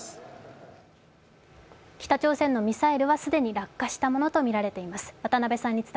北朝鮮のミサイルは既に落下したものとみられています。